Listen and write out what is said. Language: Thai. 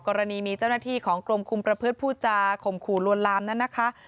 กรณีมีเจ้าหน้าที่ของกรมคุมประพฤติผู้จาข่มขู่ลวนลามนั้นนะคะ